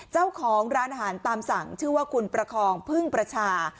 เจ้าของร้านอาหารตามสั่งชื่อว่าคุณประคองพึ่งประชา